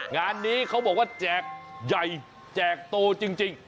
งานนี้เขาบอกว่าแจกใหญ่แจกโตจริง